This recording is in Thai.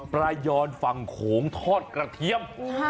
ปลายอนฝั่งโขงทอดกระเทียม